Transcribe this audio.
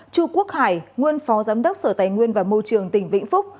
chu quốc hải nguyên phó giám đốc sở tài nguyên và môi trường tỉnh vĩnh phúc